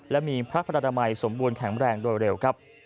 และมีพระพระนามัยสมบูรณแข็งแรงโดยเร็วครับ